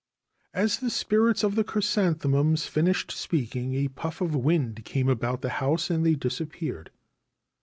As the spirits of the chrysanthemums finished speaking a puff of wind came about the house, and they dis appeared.